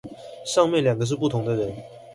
上面兩個是不同的人